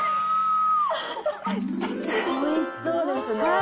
おいしそうですね。